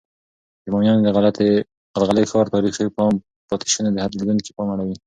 د بامیانو د غلغلي ښار تاریخي پاتې شونې د هر لیدونکي پام اړوي.